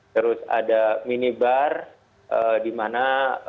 terus ada minibar di mana